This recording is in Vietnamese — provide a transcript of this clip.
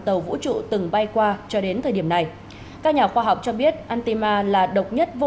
tàu vũ trụ từng bay qua cho đến thời điểm này các nhà khoa học cho biết antima là độc nhất vô